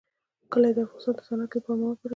کلي د افغانستان د صنعت لپاره مواد برابروي.